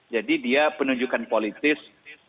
jadi dia penunjukan politis